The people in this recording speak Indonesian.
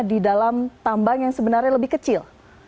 di dalam tambang yang sebenarnya lebih kecil